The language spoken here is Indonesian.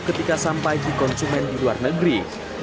ketika sampai di konsumen di luar negeri